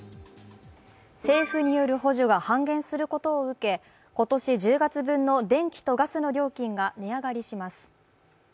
政府による補助が半減することを受け今年１０月分の電気とガスの料金が値上がりします。